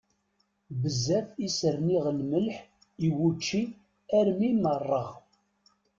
Bezzaf i as-rniɣ lemleḥ i wučči armi meṛṛeɣ!